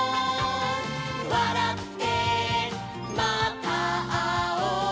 「わらってまたあおう」